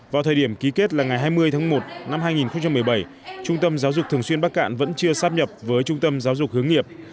vào thời điểm ký kết là ngày hai mươi tháng một năm hai nghìn một mươi bảy trung tâm giáo dục thường xuyên bắc cạn vẫn chưa sắp nhập với trung tâm giáo dục hướng nghiệp